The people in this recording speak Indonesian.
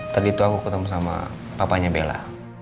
tadi itu aku ketemu sama papanya bella